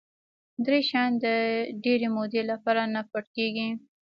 دری شیان د ډېرې مودې لپاره نه پټ کېږي.